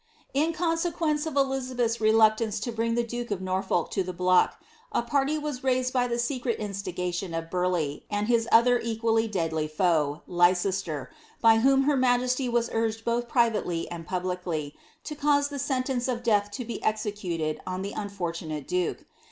"'■ LIIABBTH. In consequence of Elizabeth^s reluctance to brinj^ the duke of Nor folk to the block, a party was raised by the secret instigation of Bur leigh, and his other equally deadly foe, Leicester, by 9hom her majesty was urged boih privately and publicly, to cause the sentence of death to be esoruted on the unfortunate duke.